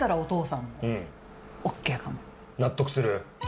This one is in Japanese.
納得する？